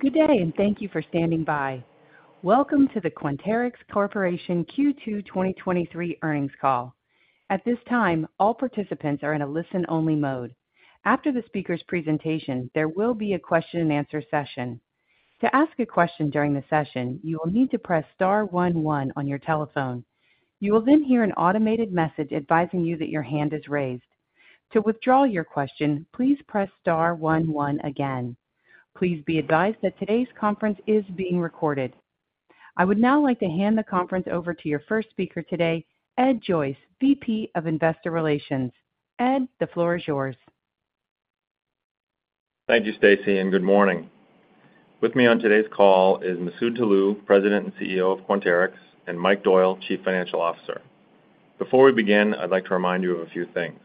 Good day, thank you for standing by. Welcome to the Quanterix Corporation Q2 2023 earnings call. At this time, all participants are in a listen-only mode. After the speaker's presentation, there will be a question-and-answer session. To ask a question during the session, you will need to press star one one on your telephone. You will then hear an automated message advising you that your hand is raised. To withdraw your question, please press star 1 1 again. Please be advised that today's conference is being recorded. I would now like to hand the conference over to your first speaker today, Ed Joyce, VP of Investor Relations. Ed, the floor is yours. Thank you, Stacy. Good morning. With me on today's call is Masoud Toloue, President and Chief Executive Officer of Quanterix, and Mike Doyle, Chief Financial Officer. Before we begin, I'd like to remind you of a few things.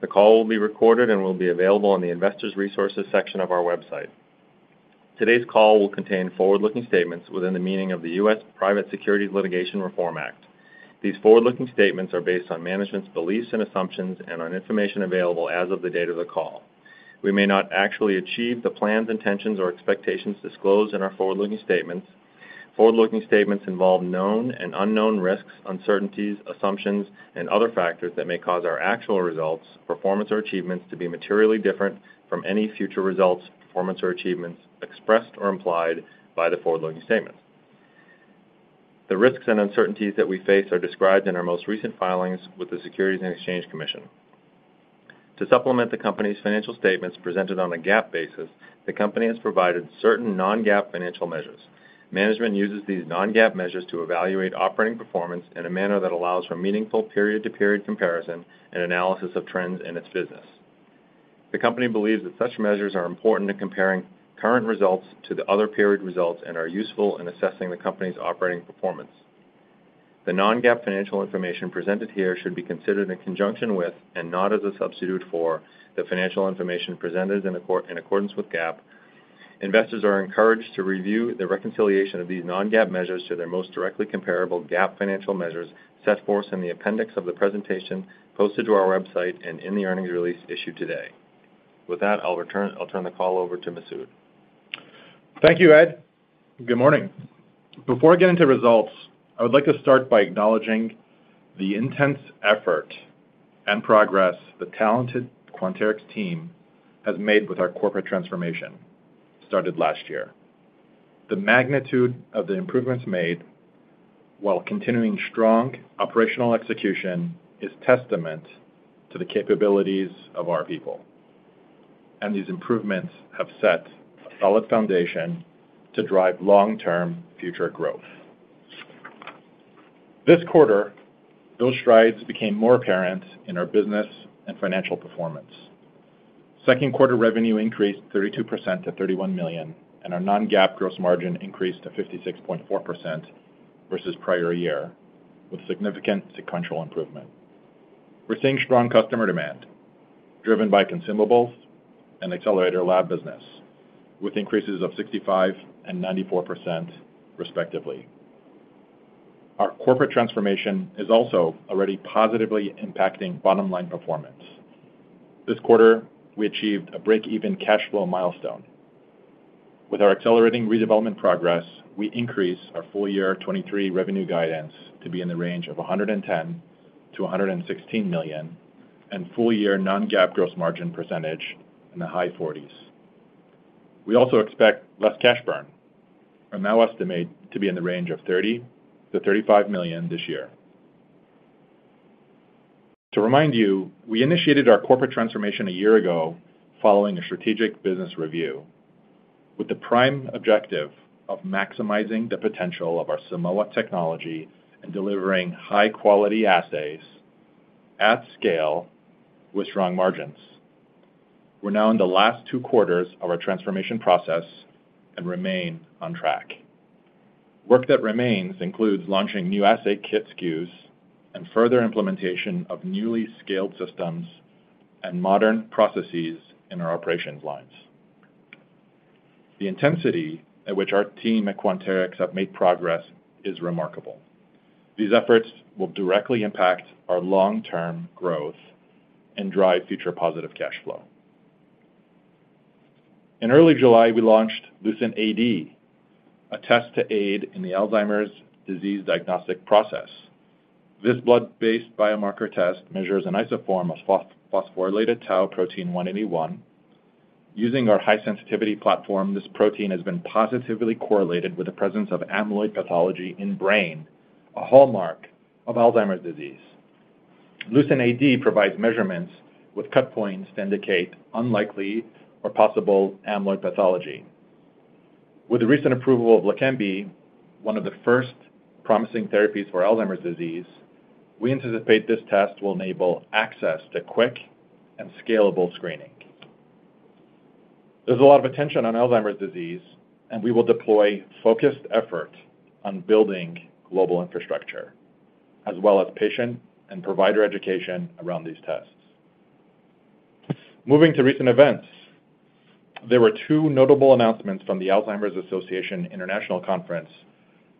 The call will be recorded and will be available on the Investors Resources section of our website. Today's call will contain forward-looking statements within the meaning of the US Private Securities Litigation Reform Act. These forward-looking statements are based on management's beliefs and assumptions and on information available as of the date of the call. We may not actually achieve the plans, intentions, or expectations disclosed in our forward-looking statements. Forward-looking statements involve known and unknown risks, uncertainties, assumptions, and other factors that may cause our actual results, performance, or achievements to be materially different from any future results, performance, or achievements expressed or implied by the forward-looking statements. The risks and uncertainties that we face are described in our most recent filings with the Securities and Exchange Commission. To supplement the company's financial statements presented on a GAAP basis, the company has provided certain non-GAAP financial measures. Management uses these non-GAAP measures to evaluate operating performance in a manner that allows for meaningful period-to-period comparison and analysis of trends in its business. The company believes that such measures are important in comparing current results to the other period results and are useful in assessing the company's operating performance. The non-GAAP financial information presented here should be considered in conjunction with, and not as a substitute for, the financial information presented in accordance with GAAP. Investors are encouraged to review the reconciliation of these non-GAAP measures to their most directly comparable GAAP financial measures set forth in the appendix of the presentation posted to our website and in the earnings release issued today. With that, I'll turn the call over to Masud. Thank you, Ed. Good morning. Before I get into results, I would like to start by acknowledging the intense effort and progress the talented Quanterix team has made with our corporate transformation started last year. The magnitude of the improvements made while continuing strong operational execution is testament to the capabilities of our people, and these improvements have set a solid foundation to drive long-term future growth. This quarter, those strides became more apparent in our business and financial performance. Second quarter revenue increased 32% to $31 million, and our non-GAAP gross margin increased to 56.4% versus prior year, with significant sequential improvement. We're seeing strong customer demand driven by consumables and Accelerator Lab business, with increases of 65% and 94%, respectively. Our corporate transformation is also already positively impacting bottom-line performance. This quarter, we achieved a break-even cash flow milestone. With our accelerating redevelopment progress, we increased our full year 2023 revenue guidance to be in the range of $110 million-$116 million and full-year non-GAAP gross margin % in the high 40s%. We also expect less cash burn and now estimate to be in the range of $30 million-$35 million this year. To remind you, we initiated our corporate transformation a year ago following a strategic business review, with the prime objective of maximizing the potential of our Simoa technology and delivering high-quality assays at scale with strong margins. We're now in the last two quarters of our transformation process and remain on track. Work that remains includes launching new assay kit SKUs and further implementation of newly scaled systems and modern processes in our operations lines. The intensity at which our team at Quanterix have made progress is remarkable. These efforts will directly impact our long-term growth and drive future positive cash flow. In early July, we launched LucentAD, a test to aid in the Alzheimer's disease diagnostic process. This blood-based biomarker test measures an isoform of phosphorylated tau protein 181. Using our high sensitivity platform, this protein has been positively correlated with the presence of amyloid pathology in brain, a hallmark of Alzheimer's disease. LucentAD provides measurements with cut points to indicate unlikely or possible amyloid pathology. With the recent approval of Leqembi, one of the first promising therapies for Alzheimer's disease, we anticipate this test will enable access to quick and scalable screening. There's a lot of attention on Alzheimer's disease, and we will deploy focused effort on building global infrastructure, as well as patient and provider education around these tests. Moving to recent events, there were two notable announcements from the Alzheimer's Association International Conference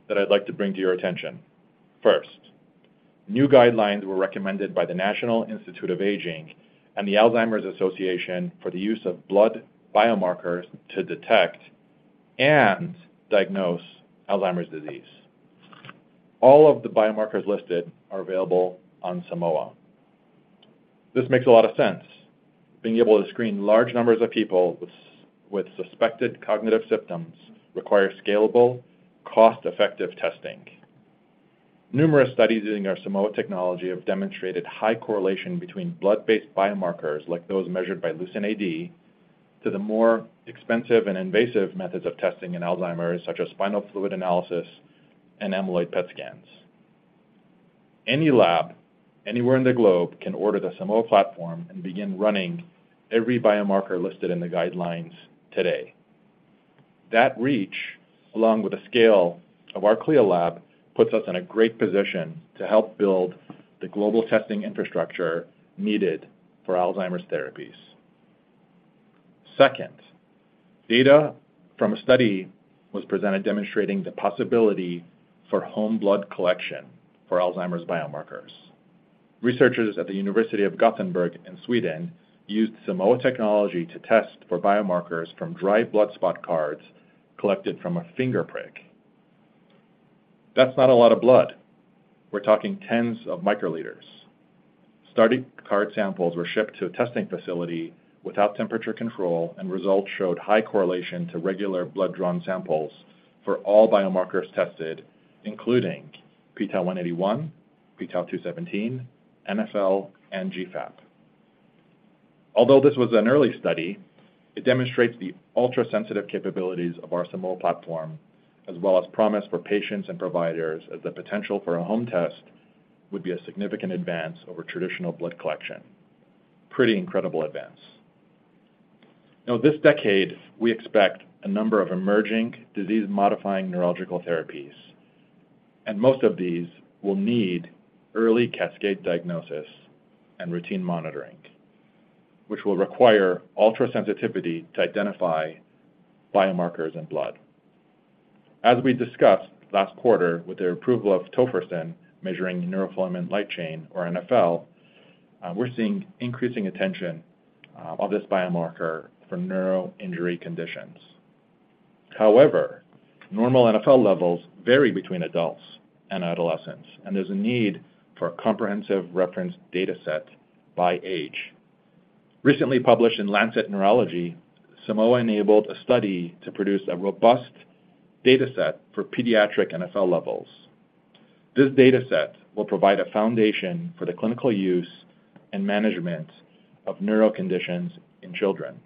that I'd like to bring to your attention. First. New guidelines were recommended by the National Institute on Aging and the Alzheimer's Association for the use of blood biomarkers to detect and diagnose Alzheimer's disease. All of the biomarkers listed are available on Simoa. This makes a lot of sense. Being able to screen large numbers of people with suspected cognitive symptoms requires scalable, cost-effective testing. Numerous studies using our Simoa technology have demonstrated high correlation between blood-based biomarkers, like those measured by LucentAD, to the more expensive and invasive methods of testing in Alzheimer's, such as spinal fluid analysis and amyloid PET scans. Any lab, anywhere in the globe, can order the Simoa platform and begin running every biomarker listed in the guidelines today. That reach, along with the scale of our CLIA lab, puts us in a great position to help build the global testing infrastructure needed for Alzheimer's therapies. Second, data from a study was presented demonstrating the possibility for home blood collection for Alzheimer's biomarkers. Researchers at the University of Gothenburg in Sweden used Simoa technology to test for biomarkers from dried blood spot cards collected from a finger prick. That's not a lot of blood. We're talking tens of microliters. Study card samples were shipped to a testing facility without temperature control, and results showed high correlation to regular blood-drawn samples for all biomarkers tested, including p-tau 181, p-tau 217, NfL, and GFAP. Although this was an early study, it demonstrates the ultrasensitive capabilities of our Simoa platform, as well as promise for patients and providers, as the potential for a home test would be a significant advance over traditional blood collection. Pretty incredible advance. Now, this decade, we expect a number of emerging disease-modifying neurological therapies, and most of these will need early cascade diagnosis and routine monitoring, which will require ultrasensitivity to identify biomarkers in blood. As we discussed last quarter, with the approval of tofersen, measuring neurofilament light chain, or NfL, we're seeing increasing attention of this biomarker for neuroinjury conditions. However, normal NfL levels vary between adults and adolescents, and there's a need for a comprehensive reference data set by age. Recently published in The Lancet Neurology, Simoa enabled a study to produce a robust data set for pediatric NfL levels. This data set will provide a foundation for the clinical use and management of neural conditions in children.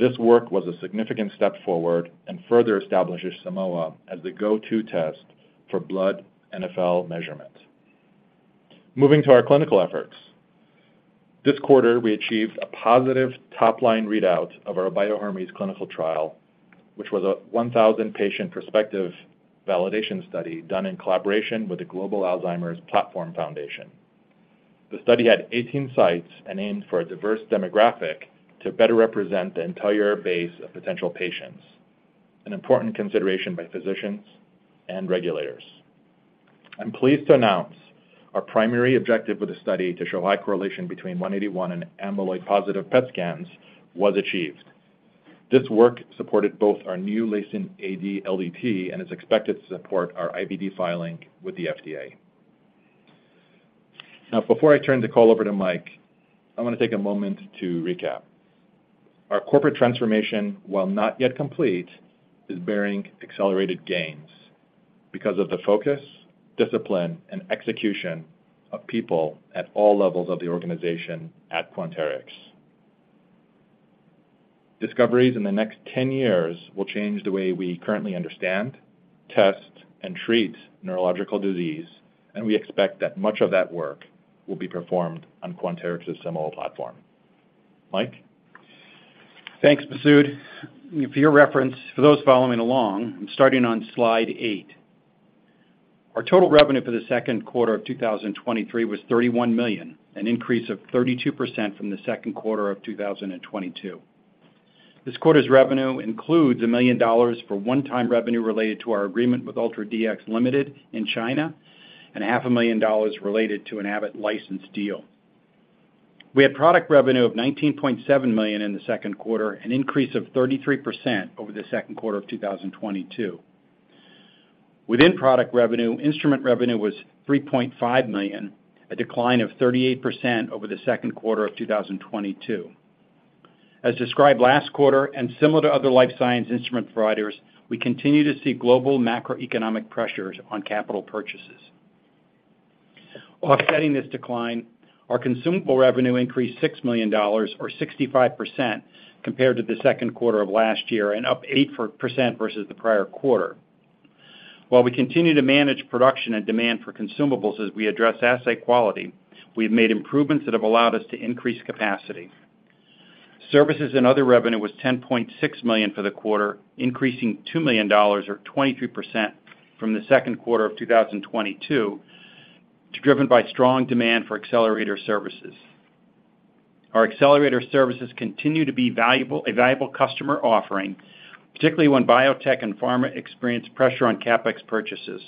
This work was a significant step forward and further establishes Simoa as the go-to test for blood NfL measurement. Moving to our clinical efforts. This quarter, we achieved a positive top-line readout of our Bio-Hermes clinical trial, which was a 1,000-patient prospective validation study done in collaboration with the Global Alzheimer's Platform Foundation. The study had 18 sites and aimed for a diverse demographic to better represent the entire base of potential patients, an important consideration by physicians and regulators. I'm pleased to announce our primary objective with the study, to show high correlation between 181 and amyloid-positive PET scans, was achieved. This work supported both our new LucentAD LDT and is expected to support our IVD filing with the FDA. Before I turn the call over to Mike, I want to take a moment to recap. Our corporate transformation, while not yet complete, is bearing accelerated gains because of the focus, discipline, and execution of people at all levels of the organization at Quanterix. Discoveries in the next 10 years will change the way we currently understand, test, and treat neurological disease, and we expect that much of that work will be performed on Quanterix's Simoa platform. Mike? Thanks, Masoud. For your reference, for those following along, I'm starting on slide 8. Our total revenue for the second quarter of 2023 was $31 million, an increase of 32% from the second quarter of 2022. This quarter's revenue includes $1 million for one-time revenue related to our agreement with UltraDx Limited in China and $500,000 related to an Abbott license deal. We had product revenue of $19.7 million in the second quarter, an increase of 33% over the second quarter of 2022. Within product revenue, instrument revenue was $3.5 million, a decline of 38% over the second quarter of 2022. As described last quarter, and similar to other life science instrument providers, we continue to see global macroeconomic pressures on capital purchases. Offsetting this decline, our consumable revenue increased $6 million or 65% compared to the second quarter of last year and up 8% versus the prior quarter. While we continue to manage production and demand for consumables as we address assay quality, we've made improvements that have allowed us to increase capacity. Services and other revenue was $10.6 million for the quarter, increasing $2 million or 22% from the second quarter of 2022, driven by strong demand for Accelerator services. Our Accelerator services continue to be valuable, a valuable customer offering, particularly when biotech and pharma experience pressure on CapEx purchases.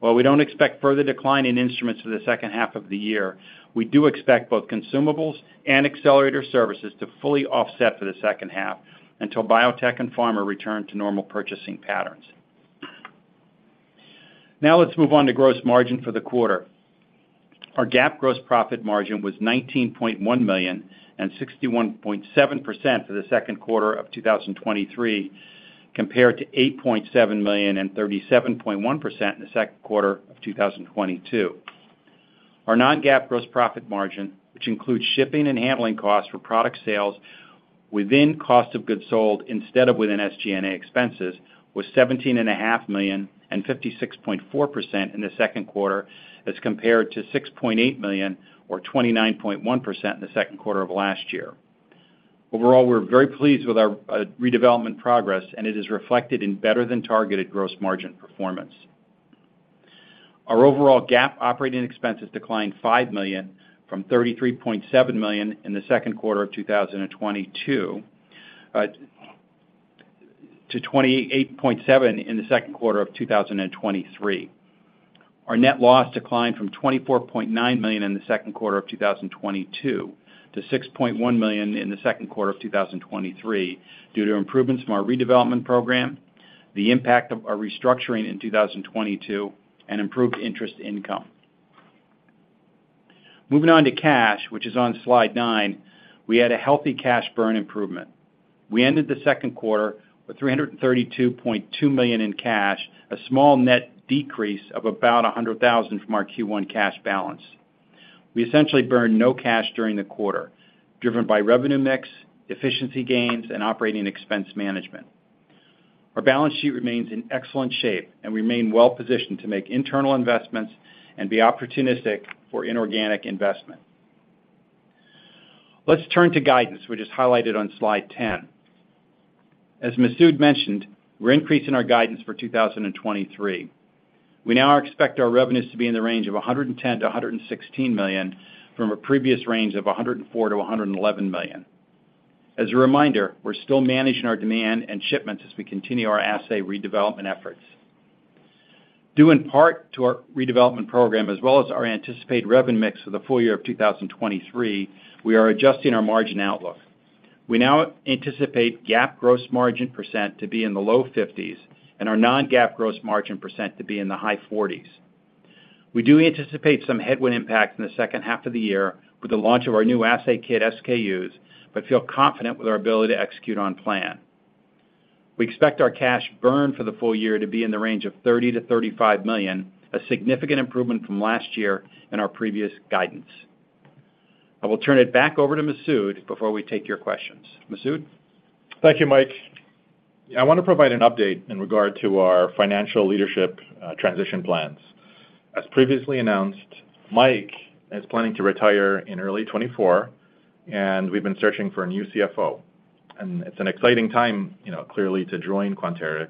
While we don't expect further decline in instruments for the second half of the year, we do expect both consumables and Accelerator services to fully offset for the second half until biotech and pharma return to normal purchasing patterns. Now let's move on to gross margin for the quarter. Our GAAP gross profit margin was $19.1 million and 61.7% for the second quarter of 2023, compared to $8.7 million and 37.1% in the second quarter of 2022. Our non-GAAP gross profit margin, which includes shipping and handling costs for product sales within cost of goods sold instead of within SG&A expenses, was $17.5 million and 56.4% in the second quarter, as compared to $6.8 million or 29.1% in the second quarter of last year. Overall, we're very pleased with our redevelopment progress, and it is reflected in better than targeted gross margin performance. Our overall GAAP operating expenses declined $5 million from $33.7 million in the second quarter of 2022 to $28.7 million in the second quarter of 2023. Our net loss declined from $24.9 million in the second quarter of 2022 to $6.1 million in the second quarter of 2023, due to improvements from our redevelopment program, the impact of our restructuring in 2022, and improved interest income. Moving on to cash, which is on slide 9, we had a healthy cash burn improvement. We ended the second quarter with $332.2 million in cash, a small net decrease of about $100,000 from our Q1 cash balance. We essentially burned no cash during the quarter, driven by revenue mix, efficiency gains, and operating expense management. Our balance sheet remains in excellent shape and remain well positioned to make internal investments and be opportunistic for inorganic investment. Let's turn to guidance, which is highlighted on slide 10. As Masoud mentioned, we're increasing our guidance for 2023. We now expect our revenues to be in the range of $110 million-$116 million, from a previous range of $104 million-$111 million. As a reminder, we're still managing our demand and shipments as we continue our assay redevelopment efforts. Due in part to our redevelopment program, as well as our anticipated revenue mix for the full year of 2023, we are adjusting our margin outlook. We now anticipate GAAP gross margin % to be in the low 50s and our non-GAAP gross margin % to be in the high 40s. We do anticipate some headwind impact in the second half of the year with the launch of our new assay kit SKUs, but feel confident with our ability to execute on plan. We expect our cash burn for the full year to be in the range of $30 million-$35 million, a significant improvement from last year and our previous guidance. I will turn it back over to Masoud before we take your questions. Masoud? Thank you, Mike. I want to provide an update in regard to our financial leadership transition plans. As previously announced, Mike is planning to retire in early 2024, we've been searching for a new CFO. It's an exciting time, you know, clearly, to join Quanterix,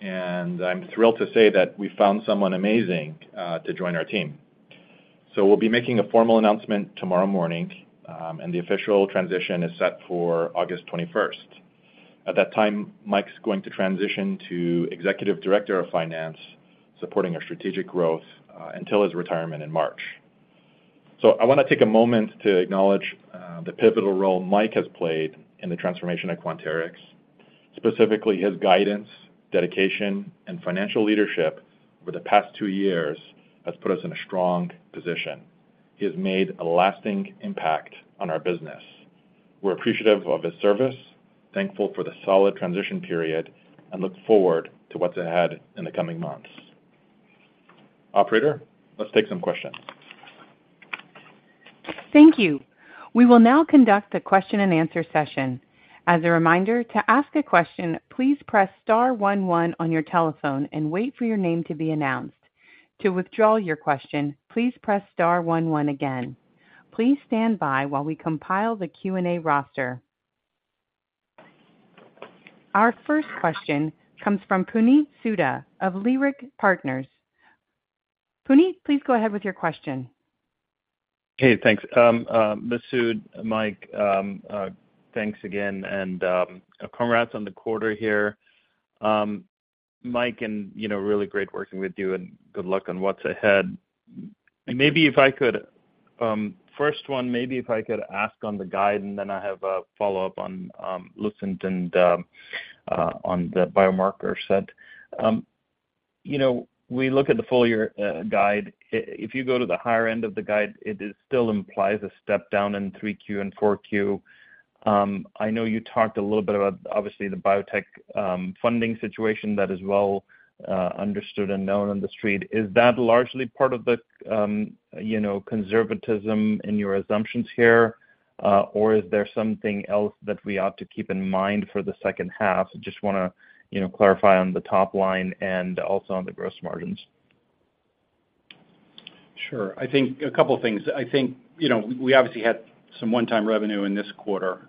and I'm thrilled to say that we found someone amazing to join our team. We'll be making a formal announcement tomorrow morning, and the official transition is set for August 21st. At that time, Mike's going to transition to Executive Director of Finance, supporting our strategic growth until his retirement in March. I want to take a moment to acknowledge the pivotal role Mike has played in the transformation of Quanterix, specifically his guidance, dedication, and financial leadership over the past 2 years has put us in a strong position. He has made a lasting impact on our business. We're appreciative of his service, thankful for the solid transition period, and look forward to what's ahead in the coming months. Operator, let's take some questions. Thank you. We will now conduct a question-and-answer session. As a reminder, to ask a question, please press star 1 1 on your telephone and wait for your name to be announced. To withdraw your question, please press star 1 1 again. Please stand by while we compile the Q&A roster. Our first question comes from Puneet Souda of Leerink Partners. Puneet, please go ahead with your question. Hey, thanks. Masoud, Mike, thanks again, and congrats on the quarter here. Mike, you know, really great working with you, and good luck on what's ahead. Maybe if I could, first one, maybe if I could ask on the guide, and then I have a follow-up on Lucent and on the biomarker set. You know, we look at the full year guide. If you go to the higher end of the guide, it is still implies a step down in 3Q and 4Q. I know you talked a little bit about, obviously, the biotech funding situation that is well understood and known on the street. Is that largely part of the, you know, conservatism in your assumptions here? Is there something else that we ought to keep in mind for the second half? Just wanna, you know, clarify on the top line and also on the gross margins. Sure. I think a couple of things. I think, you know, we obviously had some one-time revenue in this quarter,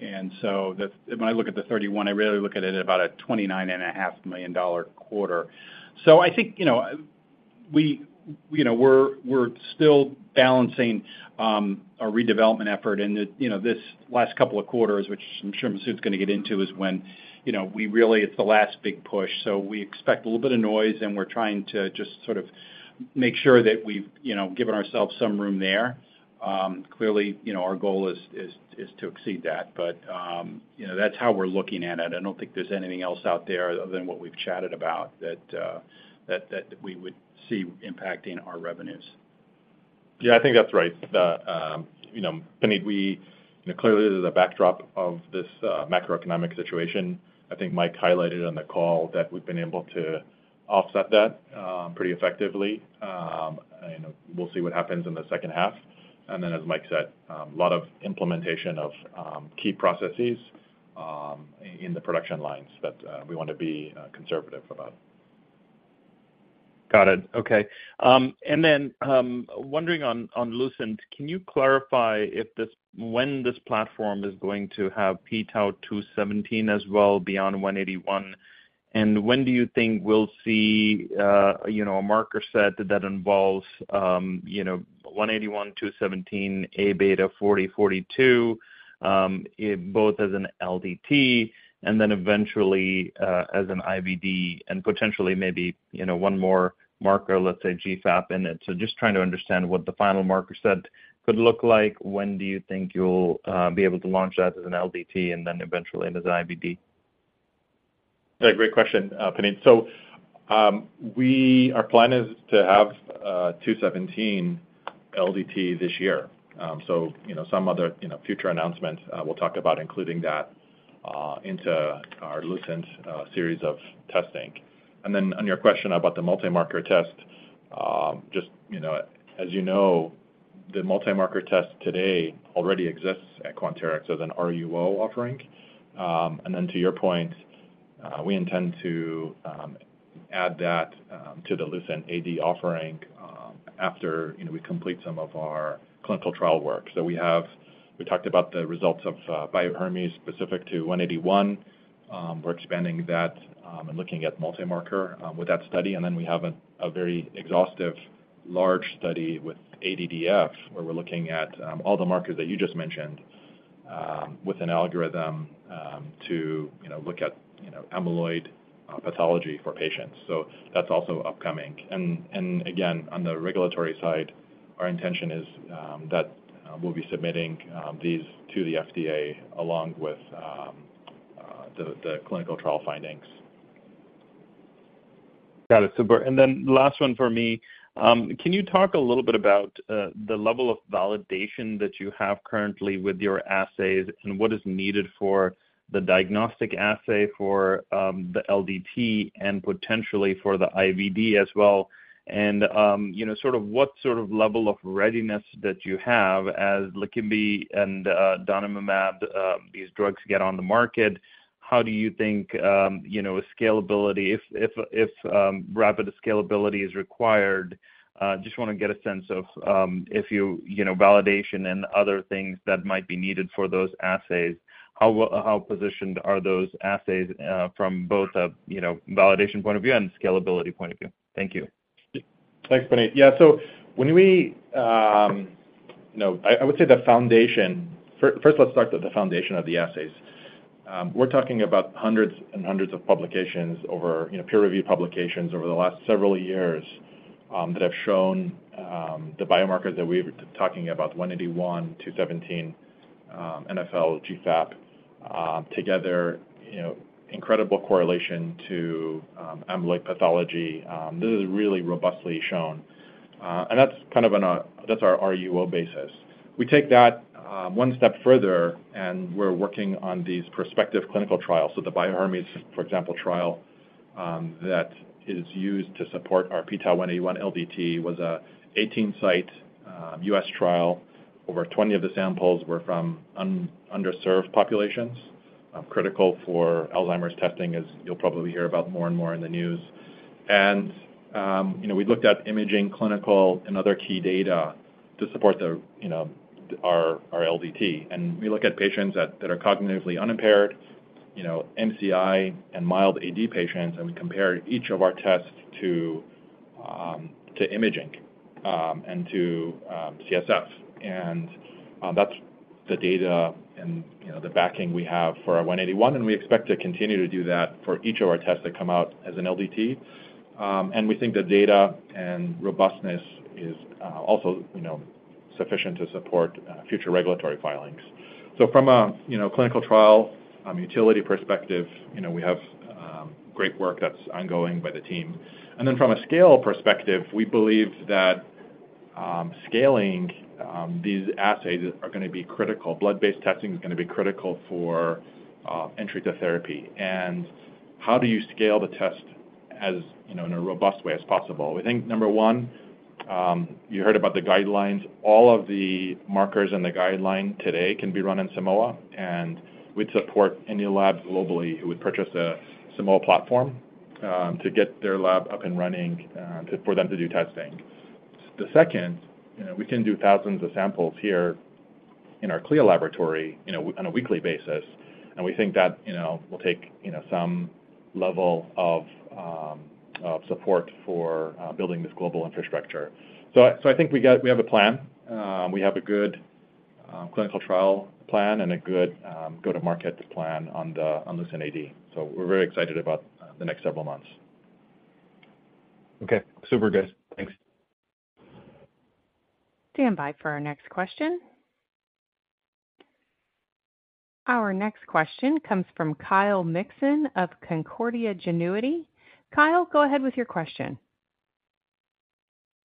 and so when I look at the 31, I really look at it at about a $29.5 million quarter. I think, you know, we, you know, we're, we're still balancing, our redevelopment effort. You know, this last couple of quarters, which I'm sure Masud's going to get into, is when, you know, we really, it's the last big push. We expect a little bit of noise, and we're trying to just sort of make sure that we've, you know, given ourselves some room there. Clearly, you know, our goal is, is, is to exceed that, but, you know, that's how we're looking at it. I don't think there's anything else out there other than what we've chatted about that, that, that we would see impacting our revenues. Yeah, I think that's right. The, you know, Puneet, we, you know, clearly, there's a backdrop of this macroeconomic situation. I think Mike highlighted on the call that we've been able to offset that pretty effectively. We'll see what happens in the second half. Then, as Mike said, a lot of implementation of key processes in the production lines that we want to be conservative about. Got it. Okay. Then, wondering on Lucent, can you clarify if when this platform is going to have p-tau 217 as well beyond 181? When do you think we'll see, you know, a marker set that involves, you know, 181, 217, Aβ40, Aβ42, both as an LDT and then eventually, as an IVD and potentially maybe, you know, 1 more marker, let's say GFAP, in it? Just trying to understand what the final marker set could look like. When do you think you'll be able to launch that as an LDT and then eventually as an IVD? Yeah, great question, Puneet. Our plan is to have p-tau 217 LDT this year. You know, some other, you know, future announcements, we'll talk about including that into our Lucent series of testing. Then on your question about the multimarker test, just, you know, as you know, the multimarker test today already exists at Quanterix as an RUO offering. Then to your point, we intend to add that to the LucentAD offering, after, you know, we complete some of our clinical trial work. We talked about the results of Bio-Hermes, specific to p-tau 181. We're expanding that and looking at multimarker with that study. Then we have a, a very exhaustive, large study with ADDF, where we're looking at all the markers that you just mentioned, with an algorithm, to, you know, look at, you know, amyloid pathology for patients. That's also upcoming. Again, on the regulatory side, our intention is that we'll be submitting these to the FDA along with the clinical trial findings. Got it. Super. Then last one for me. Can you talk a little bit about the level of validation that you have currently with your assays, and what is needed for the diagnostic assay for the LDT and potentially for the IVD as well? You know, sort of what sort of level of readiness that you have as Leqembi and donanemab, these drugs get on the market, how do you think, you know, scalability... If, if, if, rapid scalability is required, just want to get a sense of, if you, you know, validation and other things that might be needed for those assays, how, how positioned are those assays, from both a, you know, validation point of view and scalability point of view? Thank you. Thanks, Puneet. Yeah, when we, you know, I, I would say the foundation. First, let's start with the foundation of the assays. We're talking about hundreds and hundreds of publications over, you know, peer-reviewed publications over the last several years, that have shown, the biomarkers that we've been talking about, the 181, 217, NfL, GFAP, together, you know, incredible correlation to, amyloid pathology. This is really robustly shown, and that's kind of an, that's our RUO basis. We take that, one step further, and we're working on these prospective clinical trials. The Bio-Hermes, for example, trial, that is used to support our p-tau 181 LDT, was a 18-site, U.S. trial. Over 20 of the samples were from underserved populations, critical for Alzheimer's testing, as you'll probably hear about more and more in the news. You know, we looked at imaging, clinical, and other key data to support the, you know, our LDT. We look at patients that are cognitively unimpaired, you know, MCI and mild AD patients, and we compare each of our tests to imaging and to CSF. That's the data and, you know, the backing we have for our p-tau 181, and we expect to continue to do that for each of our tests that come out as an LDT. We think the data and robustness is also, you know, sufficient to support future regulatory filings. From a, you know, clinical trial, utility perspective, you know, we have great work that's ongoing by the team. Then from a scale perspective, we believe that scaling these assays are going to be critical. Blood-based testing is going to be critical for entry to therapy. How do you scale the test as, you know, in a robust way as possible? We think, number 1, you heard about the guidelines. All of the markers in the guideline today can be run in Simoa, and we'd support any labs globally who would purchase a Simoa platform to get their lab up and running for them to do testing. The second, you know, we can do thousands of samples here. in our CLIA laboratory, you know, on a weekly basis. We think that, you know, will take, you know, some level of support for building this global infrastructure. I think we have a plan. We have a good clinical trial plan and a good go-to-market plan on the, on LucentAD. We're very excited about the next several months. Okay, super good. Thanks. Stand by for our next question. Our next question comes from Kyle Mikson of Canaccord Genuity. Kyle, go ahead with your question.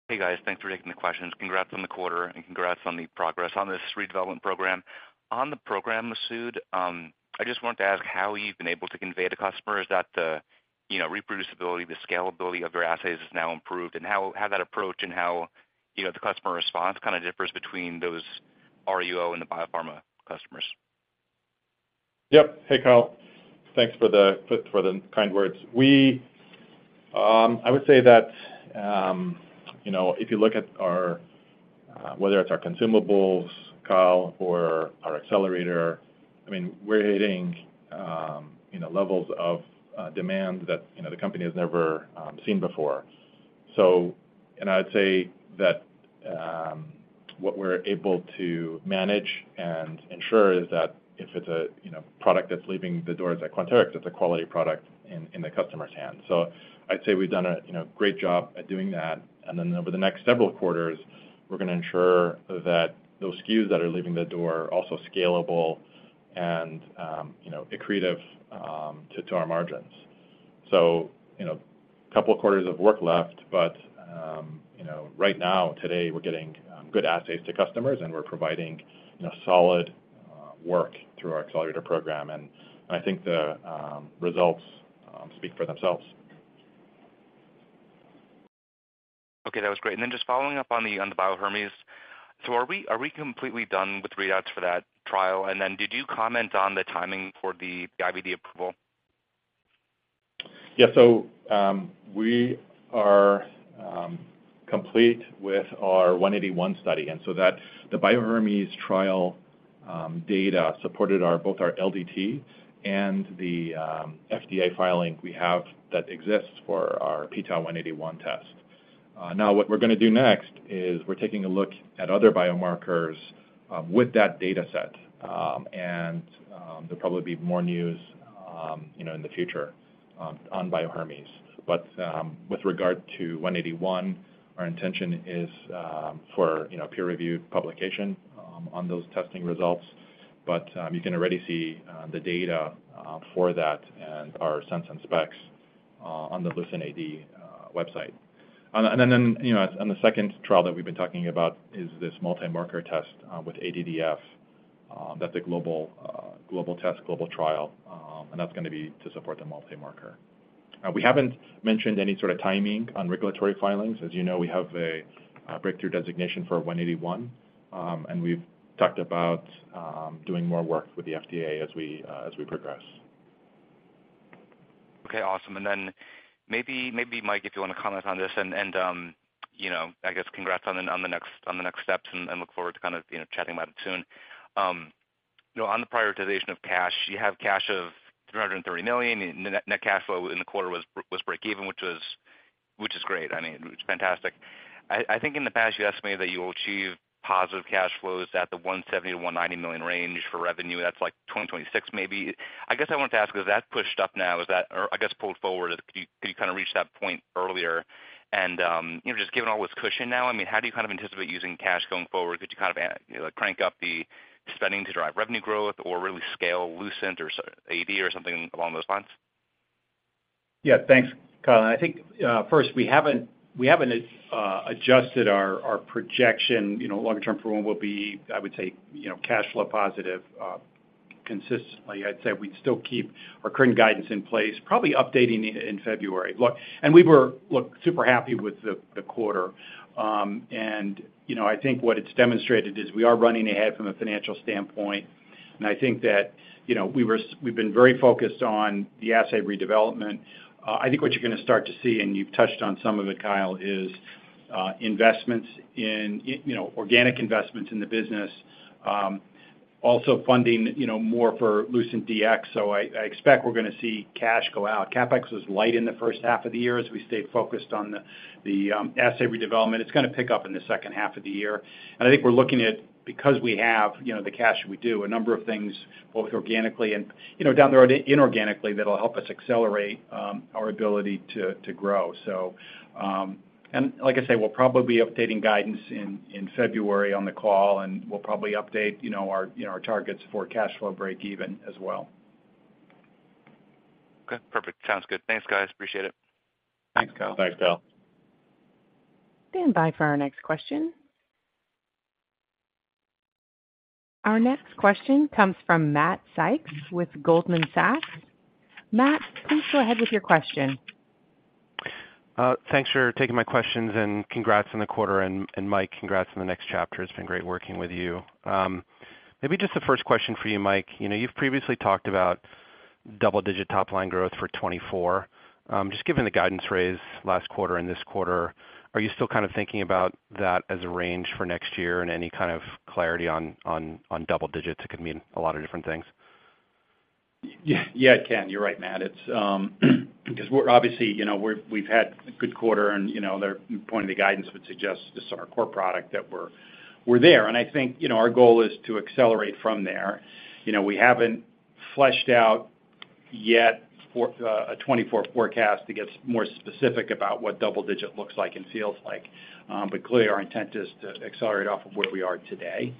Hey, guys. Thanks for taking the questions. Congrats on the quarter, and congrats on the progress on this redevelopment program. On the program, Masoud, I just wanted to ask how you've been able to convey to customers that the, you know, reproducibility, the scalability of your assays is now improved, and how, how that approach and how, you know, the customer response kind of differs between those RUO and the biopharma customers? Yep. Hey, Kyle. Thanks for the, for, for the kind words. We, I would say that, you know, if you look at our, whether it's our consumables, Kyle, or our Accelerator, I mean, we're hitting, you know, levels of demand that, you know, the company has never seen before. I'd say that, what we're able to manage and ensure is that if it's a, you know, product that's leaving the doors at Quanterix, that's a quality product in, in the customer's hands. I'd say we've done a, you know, great job at doing that. Then over the next several quarters, we're going to ensure that those SKUs that are leaving the door are also scalable and, you know, accretive, to, to our margins. You know, two quarters of work left, but, you know, right now, today, we're getting good assays to customers, and we're providing, you know, solid work through our Accelerator program, and I think the results speak for themselves. Okay, that was great. Just following up on the, on the Bio-Hermes. Are we completely done with readouts for that trial? Did you comment on the timing for the IVD approval? Yeah. We are complete with our 181 study, so that the Bio-Hermes trial data supported our, both our LDT and the FDA filing we have that exists for our p-tau 181 test. Now, what we're going to do next is we're taking a look at other biomarkers with that data set. There'll probably be more news, you know, in the future on Bio-Hermes. With regard to 181, our intention is for, you know, peer-reviewed publication on those testing results. You can already see the data for that and our sense and specs on the LucentAD website. Then, you know, and the second trial that we've been talking about is this multi-marker test with ADDF. That's a global, global test, global trial, and that's going to be to support the multi-marker. We haven't mentioned any sort of timing on regulatory filings. As you know, we have a Breakthrough designation for 181, and we've talked about doing more work with the FDA as we, as we progress. Okay, awesome. Then maybe, maybe, Mike, if you want to comment on this, you know, I guess congrats on the next, on the next steps, and look forward to kind of, you know, chatting about it soon. You know, on the prioritization of cash, you have cash of $330 million. Net, net cash flow in the quarter was, was breakeven, which was, which is great. I mean, it's fantastic. I, I think in the past, you estimated that you will achieve positive cash flows at the $170 million-$190 million range for revenue. That's like 2026, maybe. I guess I wanted to ask, has that pushed up now, is that, or I guess, pulled forward? Could you, could you kind of reach that point earlier? You know, just given all this cushion now, I mean, how do you kind of anticipate using cash going forward? Could you kind of, you know, crank up the spending to drive revenue growth or really scale Lucent or AD or something along those lines? Yeah. Thanks, Kyle. I think, first, we haven't, we haven't adjusted our, our projection, you know, longer term for when we'll be, I would say, you know, cash flow positive, consistently. I'd say we'd still keep our current guidance in place, probably updating it in February. Look, we were, look, super happy with the, the quarter. You know, I think what it's demonstrated is we are running ahead from a financial standpoint, and I think that, you know, we were we've been very focused on the assay redevelopment. I think what you're going to start to see, and you've touched on some of it, Kyle, is investments in, you know, organic investments in the business, also funding, you know, more for Lucent Diagnostics. I, I expect we're going to see cash go out. CapEx was light in the first half of the year as we stayed focused on the, the assay redevelopment. It's going to pick up in the second half of the year. I think we're looking at, because we have, you know, the cash we do, a number of things, both organically and, you know, down the road, inorganically, that'll help us accelerate our ability to grow. Like I say, we'll probably be updating guidance in February on the call, and we'll probably update, you know, our, you know, our targets for cash flow breakeven as well. Okay, perfect. Sounds good. Thanks, guys. Appreciate it. Thanks, Kyle. Thanks, Kyle. Stand by for our next question. Our next question comes from Matt Sykes with Goldman Sachs. Matt, please go ahead with your question. Thanks for taking my questions, and congrats on the quarter. Mike, congrats on the next chapter. It's been great working with you. Maybe just the first question for you, Mike. You know, you've previously talked about double-digit top-line growth for 2024. Just given the guidance raise last quarter and this quarter, are you still kind of thinking about that as a range for next year, and any kind of clarity on, on, on double digits? It could mean a lot of different things. Yeah, it can. You're right, Matt. It's because we're obviously, you know, we've had a good quarter, the point of the guidance would suggest, this is our core product, that we're, we're there. Our goal is to accelerate from there. You know, we haven't fleshed out yet for a 2024 forecast to get more specific about what double-digit looks like and feels like, but clearly our intent is to accelerate off of where we are today.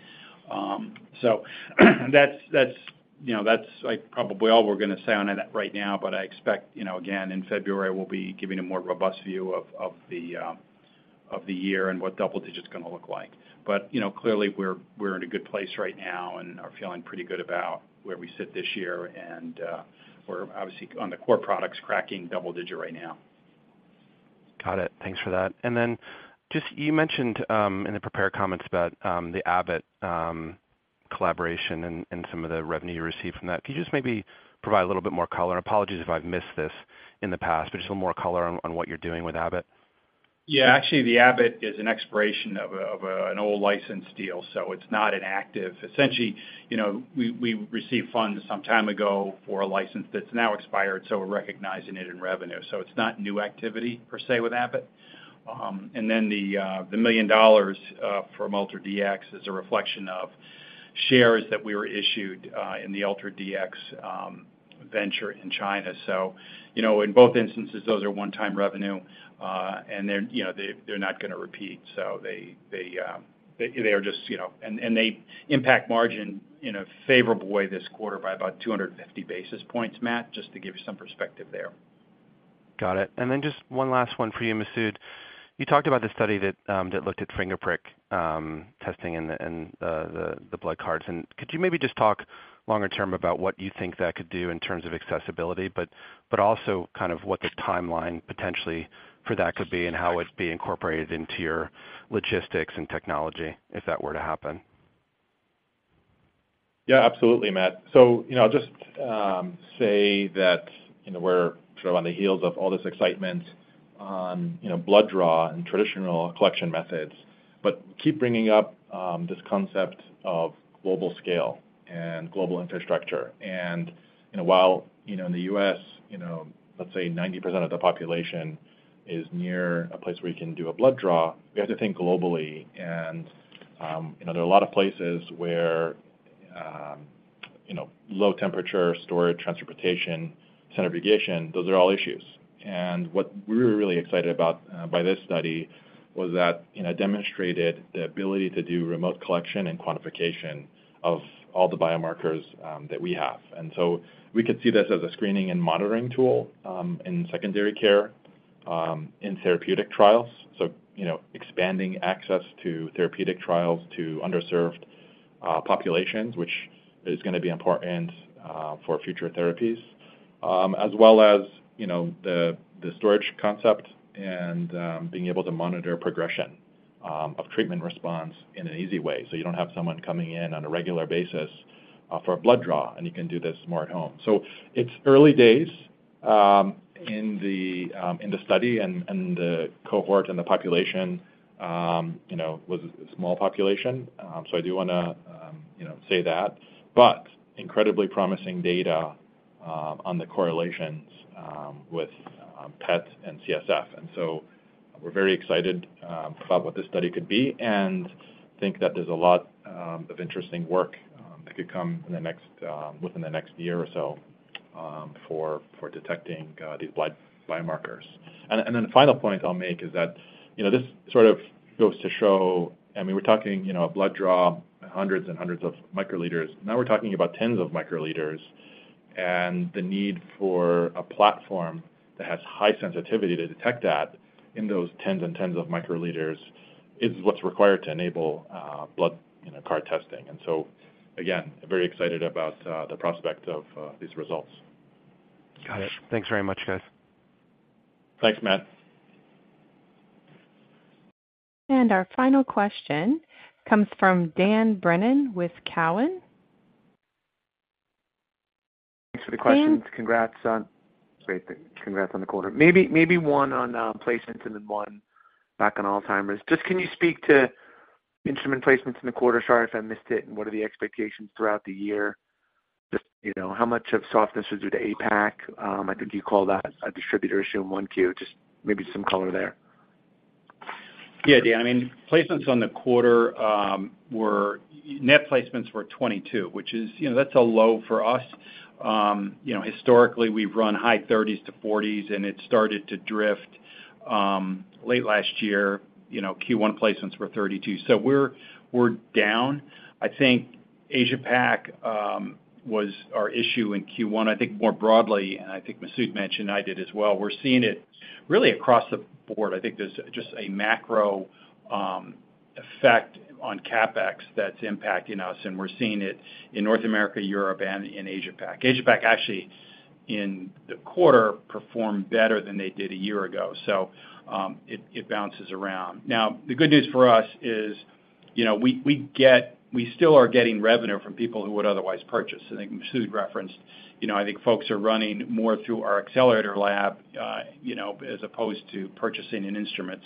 That's, that's, you know, that's like probably all we're gonna say on it right now, but I expect, you know, again, in February, we'll be giving a more robust view of, of the year and what double-digit is gonna look like. You know, clearly, we're, we're in a good place right now and are feeling pretty good about where we sit this year, and we're obviously on the core products, cracking double-digit right now. Got it. Thanks for that. Just, you mentioned, in the prepared comments about, the Abbott, collaboration and, and some of the revenue you received from that. Could you just maybe provide a little bit more color? Apologies if I've missed this in the past, but just a little more color on, on what you're doing with Abbott. Actually, the Abbott is an expiration of, of an old license deal, so it's not an active... Essentially, you know, we, we received funds some time ago for a license that's now expired, so we're recognizing it in revenue. It's not new activity per se with Abbott. And then the $1 million from UltraDx is a reflection of shares that we were issued in the UltraDx venture in China. In both instances, you know, those are one-time revenue, and they're, you know, they, they're not gonna repeat. They, they are just, you know... They impact margin in a favorable way this quarter by about 250 basis points, Matt, just to give you some perspective there. Got it. Then just one last one for you, Masoud. You talked about the study that, that looked at finger prick, testing and the, and the, the blood cards. Could you maybe just talk longer term about what you think that could do in terms of accessibility, but, but also kind of what the timeline potentially for that could be and how it'd be incorporated into your logistics and technology if that were to happen? Yeah, absolutely, Matt. I'll just say that, you know, we're sort of on the heels of all this excitement on, you know, blood draw and traditional collection methods, but keep bringing up this concept of global scale and global infrastructure. While, you know, in the U.S., you know, let's say 90% of the population is near a place where you can do a blood draw, we have to think globally, and, you know, there are a lot of places where, you know, low temperature storage, transportation, centrifugation, those are all issues. What we were really excited about by this study was that, you know, it demonstrated the ability to do remote collection and quantification of all the biomarkers that we have. So we could see this as a screening and monitoring tool, in secondary care, in therapeutic trials, so, you know, expanding access to therapeutic trials to underserved populations, which is gonna be important for future therapies. As well as, you know, the, the storage concept and, being able to monitor progression of treatment response in an easy way. You don't have someone coming in on a regular basis, for a blood draw, and you can do this more at home. It's early days, in the, in the study, and, and the cohort and the population, you know, was a small population. I do wanna, you know, say that. Incredibly promising data on the correlations, with PET and CSF. We're very excited about what this study could be and think that there's a lot of interesting work that could come in the next within the next year or so for for detecting these blood biomarkers. The final point I'll make is that, you know, this sort of goes to show, I mean, we're talking, you know, a blood draw, hundreds and hundreds of microliters. Now we're talking about tens of microliters, and the need for a platform that has high sensitivity to detect that in those tens and tens of microliters is what's required to enable blood, you know, card testing. Again, very excited about the prospect of these results. Got it. Thanks very much, guys. Thanks, Matt. Our final question comes from Dan Brennan with Cowen. Dan- Thanks for the questions. Congrats on... Great, congrats on the quarter. Maybe, maybe one on placements and then one back on Alzheimer's. Just can you speak to instrument placements in the quarter? Sorry if I missed it. What are the expectations throughout the year? Just, you know, how much of softness is due to APAC? I think you call that a distributor issue in 1Q. Just maybe some color there. Yeah, Dan. I mean, placements on the quarter, net placements were 22, which is, you know, that's a low for us. You know, historically, we've run high 30s to 40s, and it started to drift late last year. You know, Q1 placements were 32, we're, we're down. I think AsiaPac was our issue in Q1. I think more broadly, I think Masoud mentioned, I did as well, we're seeing it really across the board. I think there's just a macro effect on CapEx that's impacting us, and we're seeing it in North America, Europe, and in AsiaPac. AsiaPac, actually, in the quarter, performed better than they did a year ago, it, it bounces around. Now, the good news for us is, you know, we, we get, we still are getting revenue from people who would otherwise purchase. I think Sud referenced, you know, I think folks are running more through our Accelerator Lab, you know, as opposed to purchasing an instrument.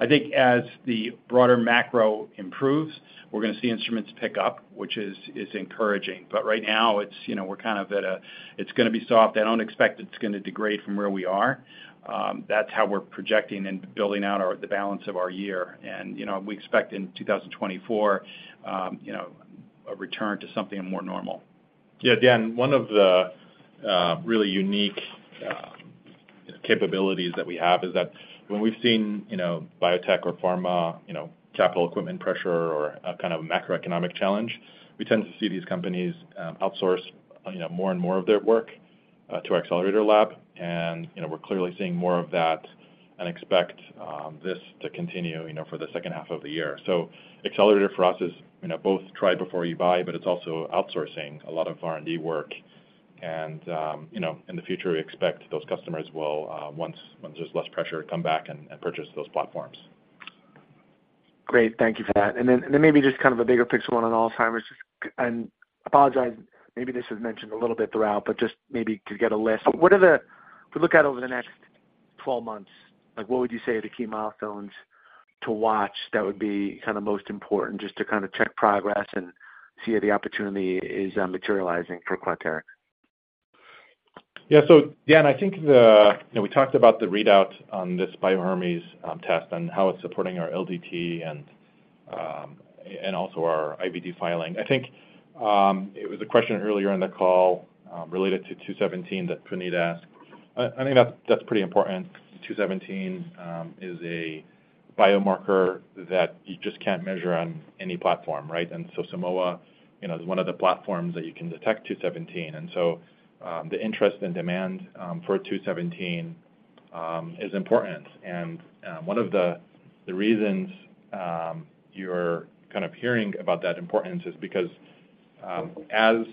I think as the broader macro improves, we're going to see instruments pick up, which is, is encouraging. Right now, it's, you know, we're kind of at a, it's gonna be soft. I don't expect it's gonna degrade from where we are. That's how we're projecting and building out our, the balance of our year. You know, we expect in 2024, you know, a return to something more normal. Yeah, Dan, one of the really unique capabilities that we have is that when we've seen, you know, biotech or pharma, you know, capital equipment pressure or a kind of macroeconomic challenge, we tend to see these companies outsource, you know, more and more of their work to our Accelerator lab, we're clearly seeing more of that and expect this to continue, you know, for the second half of the year. Accelerator for us is, you know, both try before you buy, but it's also outsourcing a lot of R&D work. In the future, we expect those customers will, once, once there's less pressure, come back and purchase those platforms. Great. Thank you for that. Then, and then maybe just kind of a bigger picture one on Alzheimer's. Apologize, maybe this was mentioned a little bit throughout, but just maybe to get a list. What are the-- if we look at over the next 12 months, like, what would you say are the key milestones to watch that would be kind of most important, just to kind of check progress and see how the opportunity is materializing for Quanterix? Yeah. Dan, I think the... You know, we talked about the readout on this Bio-Hermes test and how it's supporting our LDT and also our IVD filing. I think it was a question earlier in the call related to 217 that Puneet asked. I, I think that's, that's pretty important. 217 is a biomarker that you just can't measure on any platform, right? Simoa, you know, is one of the platforms that you can detect 217. The interest and demand for 217 is important. One of the reasons you're kind of hearing about that importance is because as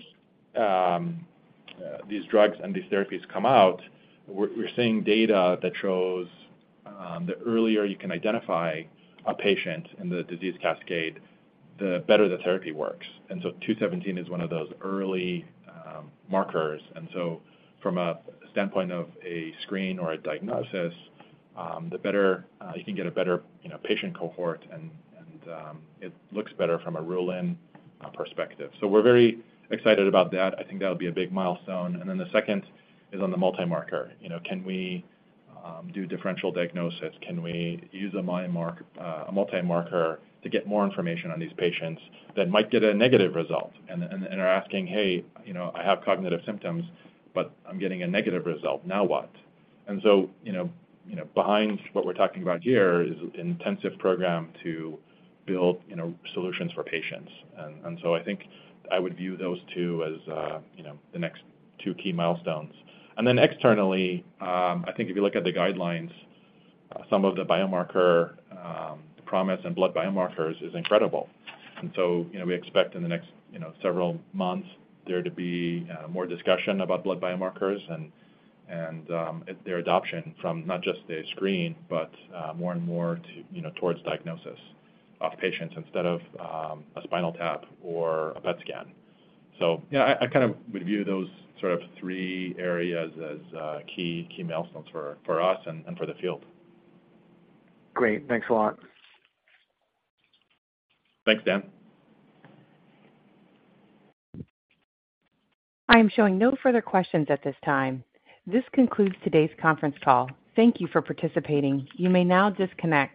these drugs and these therapies come out, we're seeing data that shows the earlier you can identify a patient in the disease cascade, the better the therapy works. So 217 is one of those early markers. From a standpoint of a screen or a diagnosis, the better you can get a better, you know, patient cohort and it looks better from a rule-in perspective. We're very excited about that. I think that'll be a big milestone. Then the second is on the multi-marker. You know, can we do differential diagnosis? Can we use a multi-marker to get more information on these patients that might get a negative result and are asking, "Hey, you know, I have cognitive symptoms, but I'm getting a negative result. Now what?" You know, you know, behind what we're talking about here is an intensive program to build, you know, solutions for patients. I think I would view those two as, you know, the next two key milestones. Externally, I think if you look at the guidelines, some of the biomarker promise in blood biomarkers is incredible. You know, we expect in the next, you know, several months there to be more discussion about blood biomarkers and, and, their adoption from not just a screen, but more and more to, you know, towards diagnosis of patients instead of a spinal tap or a PET scan. Yeah, I, I kind of would view those sort of three areas as key, key milestones for, for us and, and for the field. Great. Thanks a lot. Thanks, Dan. I am showing no further questions at this time. This concludes today's conference call. Thank you for participating. You may now disconnect.